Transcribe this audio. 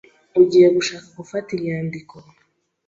Ugiye gushaka gufata inyandiko.